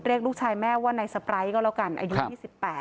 เรียกลูกชายแม่ว่าในสปร้ายก็แล้วกันอายุ๒๘